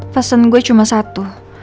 pesan gue cuma satu